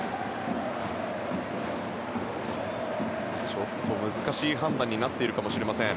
ちょっと難しい判断になっているかもしれません。